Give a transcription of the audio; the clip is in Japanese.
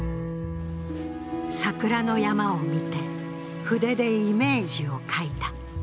桜の山を見て、筆でイメージを描いた。